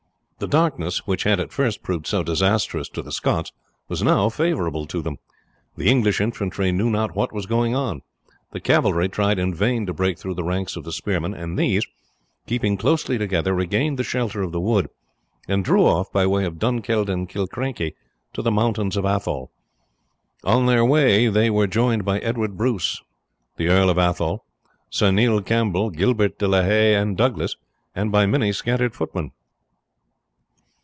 The darkness which had at first proved so disastrous to the Scots was now favourable to them. The English infantry knew not what was going on. The cavalry tried in vain to break through the ranks of the spearmen, and these, keeping closely together, regained the shelter of the wood, and drew off by way of Dunkeld and Killiecrankie to the mountains of Athole. On their way they were joined by Edward Bruce, the Earl of Athole, Sir Neil Campbell, Gilbert de la Haye, and Douglas, and by many scattered footmen.